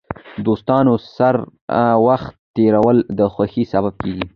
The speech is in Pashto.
د دوستانو سره وخت تېرول د خوښۍ سبب کېږي.